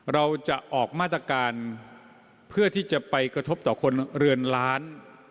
เราจะออกมาตรการเพื่อที่จะไปกระทบต่อคนเรือนล้าน